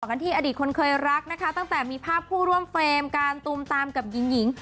กันที่อดีตคนเคยรักนะคะตั้งแต่มีภาพผู้ร่วมเฟรมการตูมตามกับหญิงหญิง